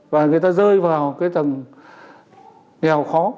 và người ta rơi vào cái tầng nghèo khó